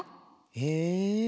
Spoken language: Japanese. へえ。